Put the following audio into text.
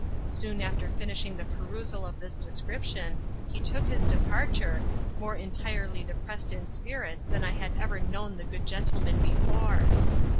Soon after finishing the perusal of this description, he took his departure, more entirely depressed in spirits than I had ever known the good gentleman before.